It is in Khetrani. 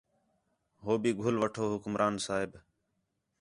ہو بھی گھل وٹھو حکمران صاحب